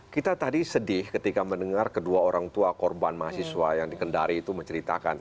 kita tadi sedih ketika mendengar kedua orang tua korban mahasiswa yang dikendari itu menceritakan